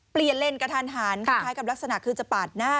เปลี่ยนเลนกระทันหันคล้ายกับลักษณะคือจะปาดหน้า